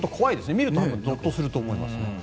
見るとゾッとすると思います。